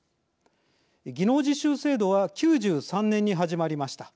技能実習制度は９３年に始まりました。